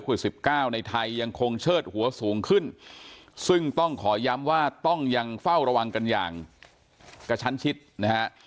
สิบเก้าในไทยยังคงเชิดหัวสูงขึ้นซึ่งต้องขอย้ำว่าต้องยังเฝ้าระวังกันอย่างกระชั้นชิดนะฮะ